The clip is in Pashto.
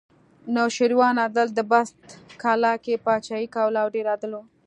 نوشیروان عادل د بست کلا کې پاچاهي کوله او ډېر عادل و